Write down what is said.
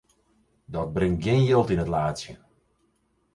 Dat bringt gjin jild yn it laadsje.